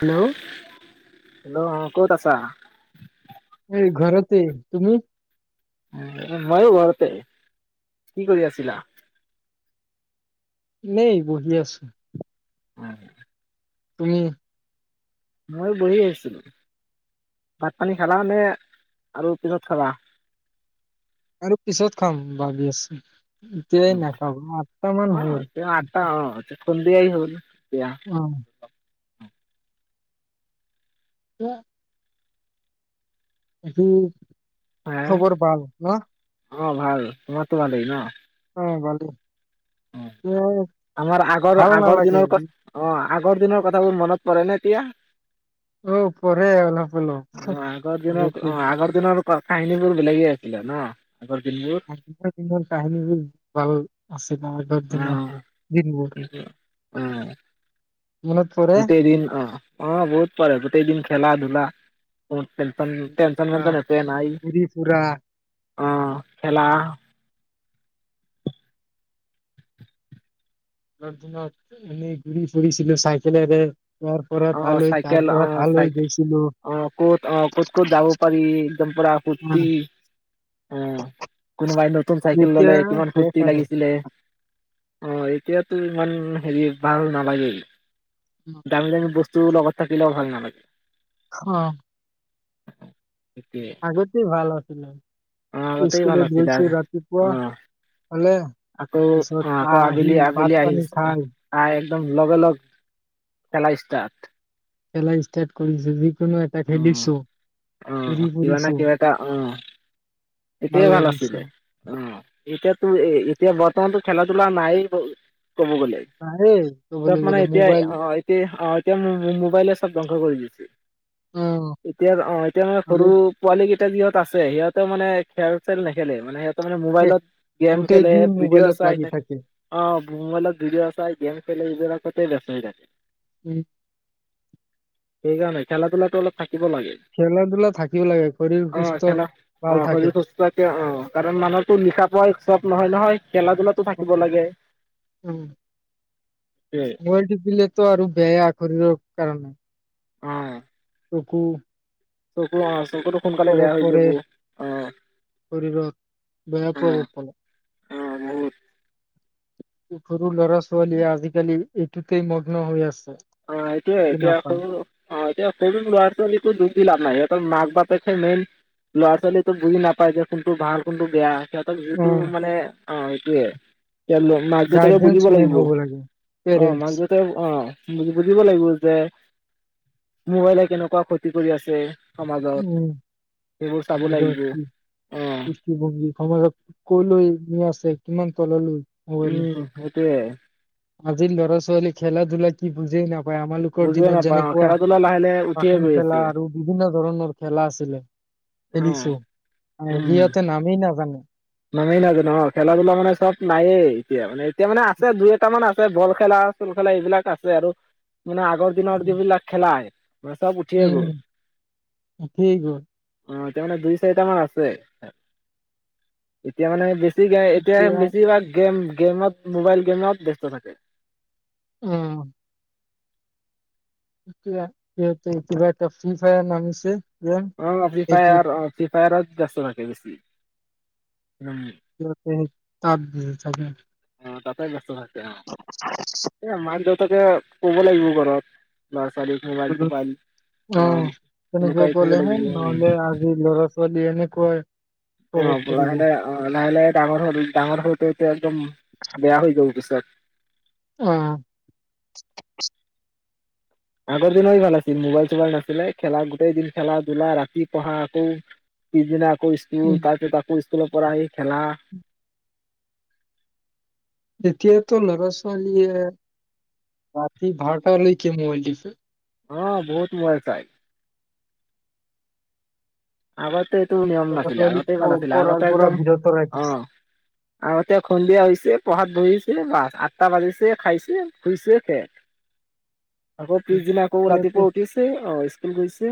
Hello hello অ। ক'ত আছা? এই ঘৰততেই তুমি। উম ময়ো ঘৰতে কি কৰি আছিলা। এনেই বহি আছো। [unintelligible] তুমি। মইও বহি আছিলো। ভাত-পানী খালা নে, আৰু পিছত খাবা? আৰু পিছত খাম ভাবি আছ। তিয়াই নাখাব আঠটা অ মান হ'ল। তেওঁ আঠটা [unintelligible] হ'ল। এতিয়া অহ। ন। উম। হে খবৰ ভাল না। অ', ভাল। তোমাৰতো ভালেই ন? হয়, ভালে। উ আমাৰ ভাল আগৰ-আগৰ নালাগে দিনৰ কথা অ। আগৰ দিনৰ কথাবোৰ মনত পৰে নে এতিয়া। অহ পঢ়ে অলপ অলপ [unintelligible] কাহিনী বোৰ বেলেগে আছিলে ন। আগৰ দিনবোৰ [unintelligible] কাহিনীবোৰ ভাল আছ [unintelligible] দিনৰ দিন বোৰ। উম। গোটেই দিন অ'। অ', বহুত পাৰে গোটেই দিন খেলা-ধূলা। পেনশন পেনচন পুৰা পেনচন এটো নাই। ঘূৰি ফুৰা আহ খেলা দিনত এনেই ঘূৰি ফুৰিছিলো চাইকেলেৰে [inaudible] আহ তালৈ তাৰ চাইকেল পৰা আহ তালৈ চাই গৈছিলো আহ ক'ত আহ ক'ত-ক'ত যাব পাৰি একদম পুৰা অ কুুৰ্তি আহ কোনোবাই নতুন চাইকেল যেতিয়া ললে কিমান শেষ ফুৰ্তি আৰু। লাগিছিলে [inaudible] অ', এতিয়াতো ইমান হেৰি ভাল নালাগে। ডাঙ বস্তু লগত থাকিলেও ভাল নালাগে। হ আগতে ভাল আ [unintelligible] হ আগতে ভাল আছিলে আৰু হ'লে অ-আকৌ পিছত অ-আকৌ আহি ভাত আবেলি-আবেলি আহি পানী খাই [inaudible] একদম লগে লগ খেলা ষ্টাৰ্ট। চলাই ষ্টাৰ্ট কৰিছোঁ। অ-আহ কিবা না ফুৰিছো কিবা এটা আহ এটয়ে ভাল আছিলে অ [inaudible] এতিয়াতো এ এতিয়া বৰ্তমানতো খেলা ধলা নাই [inaudible] ক'ব গ'লে নাহে তাত ক'বলৈ মানে গ'লে এতিয়া মোবাইল অ', এতিয়া অ'। এতিয়া মোবাইলে চব ধ্বংস কৰি দিছে। অ', এতিয়াৰ অ', এতিয়া মানে সৰু আজি পোৱালি কি সিহত আছে সিহঁতে মানে খেল চেল নেখেলে মানে ত তাৰ মানে শেষ মোবাইলত গেম গোটেই খেলে দিন ভিডিঅ' মোবাইলত চাই লাগি থাক থাকে। অ [inaudible] মংগলত ভিডিঅ অ', চাই গেম খেলে এইবিলাকতে বেষ্টো হৈ থাকে। উম [unintelligible] সেই কামে [unintelligible] খেলা ধূাটো অল থ [unintelligible] খেলা-ধূলা থাকিব লাগে শৰীৰ অঁ সুস্থ খেলা অঁ ভাল শৰীৰ থাকে। সুস্থকে অঁ কাৰণ মানুহতো লিখা পাঢ়াই চব নহয় নহয় [inaudible] খেলা-ধূলাটো থাকিব লাগে। উম, মোবাইল টিপিলেটো আৰু বেয়া শৰীৰৰ কাৰ নাই অ [inaudible] ৰুকো [unintelligible] চুকোৱা আ [unintelligible] চকুতো সোনকালে বেয়া হৈ যাব শৰীৰত বেয়া প্ৰভাৱ পৰে। আহ-অ-অ বহুত [inaudible] সৰু ল'ৰা ছোৱালীয়ে আজিকালি এইটোতেই মগ্ন হৈ আছ অ' সেইটোৱে সেইটোৱে এতিয়া সৰু অ এতিয়া সৰু ল'ৰা ছোৱালীকো দুখ দি লাভ নাই ই ত মাক বাপেক সে মেইন ল'ৰা ছোৱালী তো বুজি নাপায় যে কোনটো ভাল কোনটো বেয়া। সিহঁতক যিহেতটো উম মানে অ' সেইটোৱে ইয়াত মাক দেউতাক গাৰ্জেনছ বুজিব মেইন লাগিব হ'ব লাগে। অ পেৰেণ্টছ মাক দেউতাই অ বুজিব লাগিব যে মোবাইলে কেনেকুৱা ক্ষতি কৰি আছে। সমাজত উম সেইবোৰ চাব সমাজত লাগিব ক কি অ সমাতত কলৈ আছে কিমান তললৈ মোবাইলে। উম [inaudible] টোৱে আজিৰ ল'ৰা ছোৱালী খেলা ধূলা কি বুজে নাপ হয় আমাৰালোকৰ বুজিয়ে দিনত নাপাওঁ যেনেকুৱা, খেলা ধূলা লাহে লাহে উঠিয়ে পাকোন গৈ খেলা আছে আৰু বিভিন্ন ধৰণৰ খেলা আছিলে। অ খেলিছোঁ, হয় উম সিহঁতে নামেই নাজানে। নামেই নাজানোঁ অ', খেলা ধূলা মানে চব নায়েই এতিয়া মানে এতিয়া মানে আছে দুই এটা মান আছে, বল খেলা চল খেলা এইবিলাক আছে আৰু। মানে আগৰ দিন উম যিবিলাক খেলাই উম, [unintelligible] অ', এতিয়ামানে দুই চাৰিটা মান আছে। এতিয়া মানে বেছ [unintelligible] এতিয়া বেছিভাগ গেম গেমত মোবাইল গেমত ব্যস্ত থাকে। উম। কিবা সিঁহতে কিবা এটা ফ্ৰী ফায়াৰ নাম আছে। অ', ফ্ৰী ফায়াৰ অ', ফি পেৰত দচনাকে বেছি উম, সিহঁতে [unintelligible] থাকে। অ', তাতে ব্যস্ত [unintelligible] [unintelligible] তাকে ক'ব লাগিব ঘৰত লাষ্ট অ', তেনেকুৱা লুকাই থব ক'লেহ লাগিব ন'হলে আজি ল'ৰা ছোৱালী এনে কয় অ', লাহে লাহে অ', লাহে লাহে ডাঙৰ হ ডাঙৰ [unintelligible] একদম বেয়া হৈ যাব পিছত অ'। আগৰ দিনেই ভাল আছিল, মোবাইল চোবাইল নাছিলে খেলা গোটেই দিন খেলা-ধুলা, ৰাতি পঢ়া আকৌ পিছদিনা আকৌ ইস্কুল উম তাতে আকৌ ইছ স্কুলৰ পৰা আহি খেলা। এতিয়াতো ল'ৰা-ছোৱালীয়ে ৰাতি বাৰটালৈকে মোবাইল টিপে। অ', বহুত মোবাইল চাই। আগতে একো নিয়ম ল'ৰা নাছিলে ছোৱালীক আগতে প ইমান আছিলে পঢ়াৰ আগতে পৰা একদম, বিৰত ৰাখিছে অ', আগতে সন্ধিয়া হৈছে পঢ়াত বহিছে বাছ আঠটা বাজিছে খাইছে, শুইছে সেয়ে। আকৌ পিছদিনা আকৌ এতিয়াতো ৰাতিপুৱা উঠিছে অ', ইছ গৈছে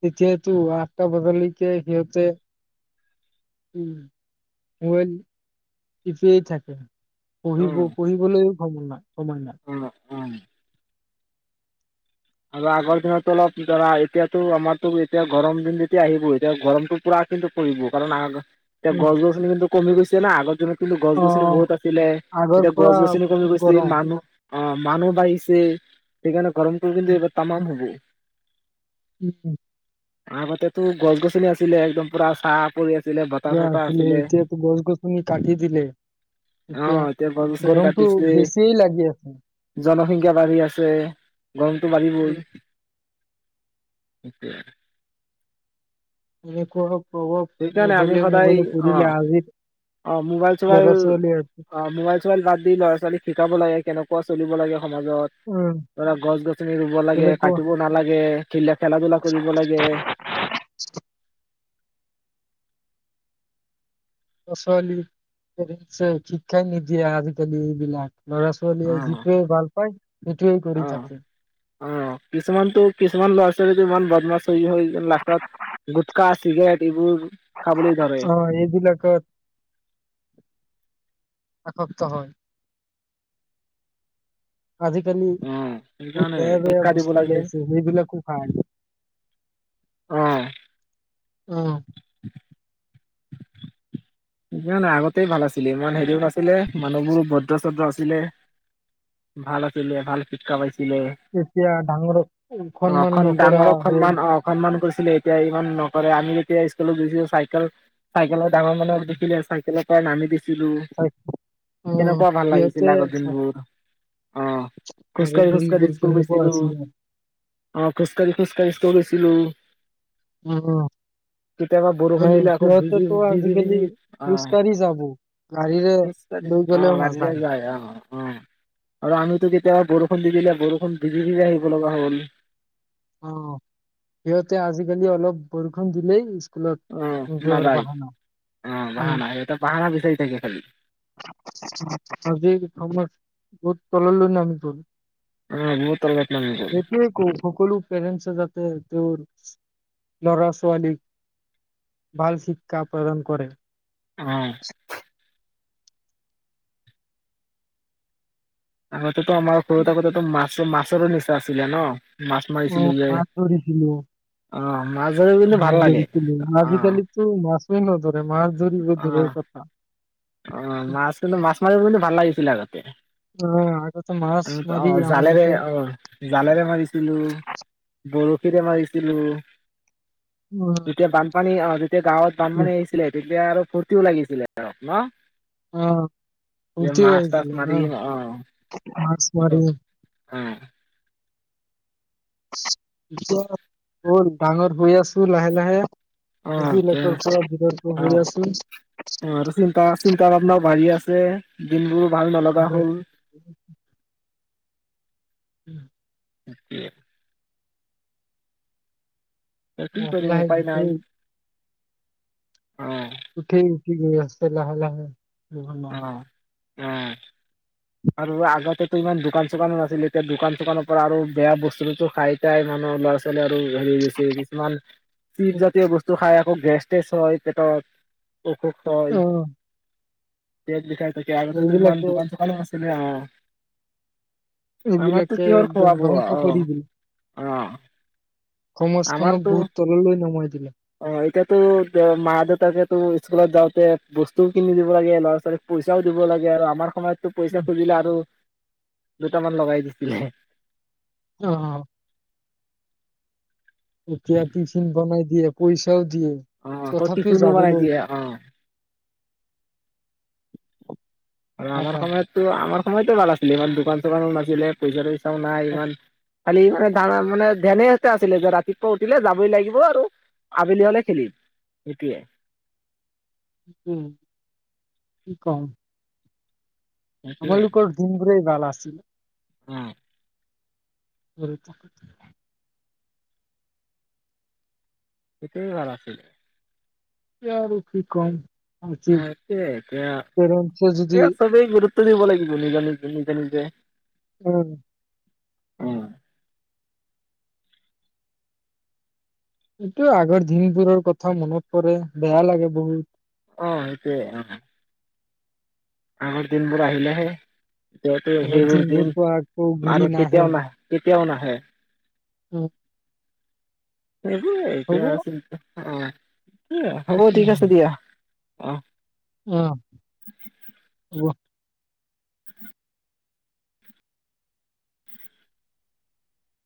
তেতিয়াতো আঠটা বজালৈকে সিহঁতে উম, মোবাইল টিপিয়েই থাকে। পঢ়িব অ' পঢ়িবলৈও সময় নাই। সময় নাই। অম আৰু আগৰ দিনতো অলপ ধৰা এতিয়াতো আমাৰতো এতিয়া গৰম দিন যেতিয়া আহিব এতিয়া গৰমতটো পুৰা কিন্তু পৰিব কাৰণ আগ এয়া অ গছ-গছনি কিন্তু কমি গৈছে না আগৰ দিনত কিন্তু গছ অ গছনি বহুত আছিলে, আগৰ এতিয়া পৰা গছ গছনি কমি বহুত গৈছে গৰম মানুহ অ' মানুহ বাহিছে সেইকাৰনে গৰম [unintelligible] এইবাৰ তামাম হ'ব। উম! আগতেতো গছ-গছনি আছিলে একদম পুৰা চাত পুৰা আছিলে এতিয়াাতো গছ-গছনি কাটি দিলে অ এতিয়া এতিয়া গছ গছনি গৰমটো কাটিছে বেছিয়ে লাগি আছে। জনসংখ্যা বাঢ়ি আছে। গৰমটো উম, বাঢ়িবই। সিটোৱে। [unintelligible] সেইকাৰণে আমি মোবাইলে সদায় মোবাইলে অ পৰিলে আজিৰ অ মোবাইল চোবাইল ল'ৰা ছোৱালী অ মোবাইল চোবাইল বাদ দি ল'ৰা ছোৱালীক শিকাব লাগে। কেনেকুৱা চলিব লাগে। সমাজত উম ধৰা গছ-গছনি ৰুব লাগে তেনেকুৱা কাটিব নালাগে খেল খেলা ধূলা কৰিব লাগে। ল'ৰা-ছোৱালীক পেৰেণ্টছে শিক্ষাই নিদিয়ে আজিকালি এইবিলাক। অ ল'ৰা-ছোৱালীয়ে যিটোৱে ভাল পায় সিটোৱেই কৰি অ থাকে। লীটো ইমান বদমাচ চলি হয় লাষ্টত গুটকা চিগাৰেট এইবোৰ খাবলৈ ধৰে অ' এইবিলাকত [unintelligible] হয়। আজিকালি অ বহুত সেইকাৰণে বেয়া বেয়া শিক্ষা দিব বস্তু লাগে ওলাইছে সেইবিলাকো ভা। অহ। উম। [unintelligible] ই নাই আগতেই ভাল আছিলে ইমান হেৰিয়ো নাছিলে, মানুহবোৰো ভদ্ৰ ছদ্ৰ আছিলে, ভাল আছিলে, ভাল শিক্ষা পাইছিল। এতিয়া ডাঙৰক অ সন্মান নকৰা হ'ল। ছিলে এতিয়া ইমান নকৰে আমি যেতিয়া ইস্কুলত গৈছিলো চাইকেল। চাইকেলৰ ডাঙৰ মানুহ। উম, [unintelligible] চাইকেলৰ পৰা নামি দি। অ', কেনেকুৱা ভাল লাগিছিল সিহঁতে আগৰ দিনবোৰ, অহ আগৰ খোজকাঢ়ি খোজকাঢ়ি দিনবোৰ ইস্কুল কেনেকুৱা গৈছিলো। আছিলে। অ' খোজকাঢ়ি খোজকাঢ়ি ইস্কুল গৈছিলো। উ কেতিয়াবা বৰষুণ আৰু দিলে আকৌ ভিজি সিহঁতেতো ভিজি ভিজি আজিকালি। [unintelligible] খোজকাঢ়ি যাব। গাড়ীৰে যায় লৈ গলেও নাযায়। অ-অ আৰু আমি। কেতিয়াবা বৰষুণ দি দিলে বৰষুণ ভিজি ভিজি আহিব লগা হ'ল। অ', সিহঁতে আজিকালি অলপ বৰষুণ দিলেই অ [unintelligible] জৰ নাযায় বাহানা অ উম বাহানা এটা বাহানা বিচাৰি থাকে খালি [inaudible] বহুত তললৈ নামি গ'ল। অ', বহুত তলত নামি গ'ল। পেৰেণ্টছে যাতে তেওঁৰ ল'ৰা ছোৱালীক ভাল শিক্ষা প্ৰদান কৰে। অ'। [unintelligible] ত আমাৰ সৰু থাকোঁতে মাছো-মাছো নিছো আছিলে ন? মাছ মাৰিছিলো অ', যে মাছ ধৰিছিলো। অ'। মাছ ধৰি কিন্তু ভাল লাগে ধৰিছিলো অ আজিকালিতো মাছেই নধৰে মাছ ধৰি অ দূৰৰ কথা। অ', মাছ কিন্তু মাছ মাৰি কিন্তু ভাল লাগিছিলে আগতে অ', জালেৰে অ', জালেৰে মাৰিছিলো, বৰশীৰে মাৰি ছিলো যেতিয়া বানপানী অহ যেতিয়া গাঁৱত বানপানী আহিছিলে তেতিয়া আৰু ফূুৰ্তিও লাগিছিলে ন। যে মাছ তাছ মাৰিম অ অ [unintelligible] অ '। [inaudible] [unintelligible] ডাঙৰ গৈয়াছ অ দে পৰা বিৰত অ হৈ আছো অ আৰু চিন্তা চিন্তা ভাবনা ও বাঢ়ি আছে দে দিনবোৰ ভাল নলগা লাহে হল। [inaudible] [inaudible] কি কৰিম উপায় নাই [unintelligible] অ', উঠেই কি গৈ আছে লাহে লাহে [unintelligible] অ', অ আৰু আগতেতো ইমান দোকান চোকানো নাছিলে এতিয়া দোকান চোকানৰ পৰা আৰু বেয়া বস্তু চস্তু খাই এতিয়া মানুহ ল'ৰা ছোৱালী [unintelligible] কিছুমান চিপ জাতীয় বস্তু খায় আকৌ গেছ টেছ হয় পেটত, অ [unintelligible] দেট বিঠাই তাকে আগতো ইমান এইবিলাকে দোকান চোকানো না এনে অ'। আমাৰতো এইবিলাকে কিহৰ একদম খোৱা বোৱা! ধ্বংস অহ, কৰি দিলে অহ, সমাজখনক আমাৰতো বহুত তললৈ নমাই দিলে অ', এতিয়াতো দে মা দেউতাকেতো স্কুলত যাওঁতে বস্তুও কিনি দিব লাগে। ল'ৰা ছোৱালীক পইচাও দিব লাগে আৰু আমাৰ সময়ত টো পইচা খুজিলে আৰু দুটামান লগাই দিছিলে। অ' এতিয়া টিফিন বনাই দিয়ে [unintelligible] অ', প্ৰতি তথাপিও শনিবাৰে যাবলৈ দিয়ে, অ'। আমাৰ নাযায় সময়তো আমাৰ সময়তো ভাল আছিলে ইমান দোকান চোকানো নাছিলে পইচাটো নাই ইমান খালি মানে তামানে [unintelligible] আছিলে যে ৰাতিপুৱা উঠিলে যাবই লাগিব আৰু আবেলি হলে খেলিম হেটোয়ে উম, কি কওঁ? আমাৰ সেইটোৱে লোকৰ হু [unintelligible] ভাল আছিল ও [unintelligible] সেতুয়েই ভাল আছিল এতিয়া আৰু কি কম। আজি এতিয়া এতিয়া পেৰেণ্টছে যদি এয়া সবেই গুৰু, দিব লাগিব নিজা নিজে নিজে নিজে উ! উ! এইটো আগৰ দিনবোৰৰ কথা মনত পৰে বেয়া লাগে বহুত, অ এইটোয়ে অ' আগৰ দিনবোৰ আহিলেহে এতেটো আগৰ হেইবোৰ দিন দিনবোৰতো আকৌ ঘূৰি আৰু কেতিয়াও নাহে কে? কিয় নাহে, উম! সেইবোৰেই এতিয়া হ'ব আছিল ত অ' হ'ব ঠিক আছে দিয়া। অ' উম [unintelligible]